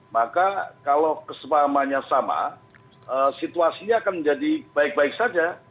maka kalau kesepahamannya sama situasinya akan menjadi baik baik saja